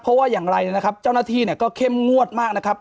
เพราะว่าอย่างไรนะครับเจ้าหน้าที่เนี่ยก็เข้มงวดมากนะครับ